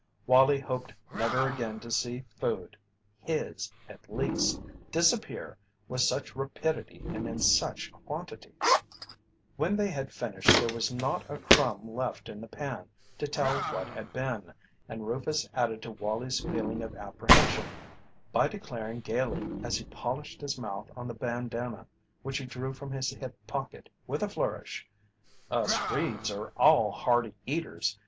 Wallie hoped never again to see food his, at least disappear with such rapidity and in such quantities. When they had finished there was not a crumb left in the pan to tell what had been, and Rufus added to Wallie's feeling of apprehension by declaring gaily as he polished his mouth on the bandanna which he drew from his hip pocket with a flourish: "Us Reeds are all hearty eaters.